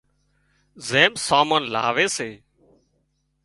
زم سامان لاوي سي